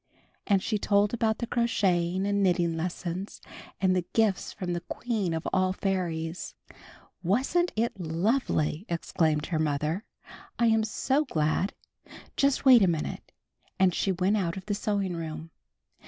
And she told about the crocheting and knitting lessons, and the gifts from the Queen of All Fairies. wiii5 ' m, A Gift from the Queen of Fairies 223 "Wasn't it lovely!" exclaimed her mother. "I am so glad! Just wait a minute," and she went out of the sewing room.